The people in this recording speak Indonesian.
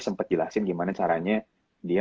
sempat jelasin gimana caranya dia